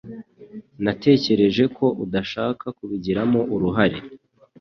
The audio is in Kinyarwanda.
Natekereje ko udashaka kubigiramo uruhare